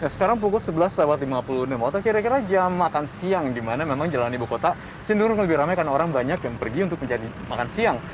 sekarang pukul sebelas lewat lima puluh enam atau kira kira jam makan siang dimana memang jalan ibu kota cenderung lebih ramai karena orang banyak yang pergi untuk mencari makan siang